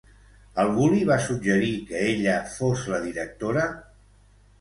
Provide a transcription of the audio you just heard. Algú li va suggerir que ella fos la directora?